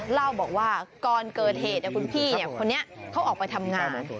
เล่าบอกว่าก่อนเกิดเหตุคุณพี่คนนี้เขาออกไปทำงาน